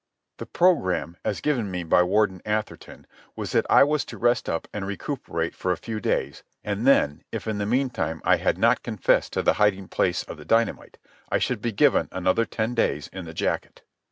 The programme, as given me by Warden Atherton, was that I was to rest up and recuperate for a few days, and then, if in the meantime I had not confessed to the hiding place of the dynamite, I should be given another ten days in the jacket.